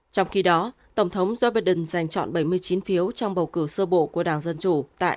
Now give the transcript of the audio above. trong khi đó tổng thống joe biden giành chọn bảy mươi chín phiếu trong bầu cử sơ bộ của đảng dân chủ tại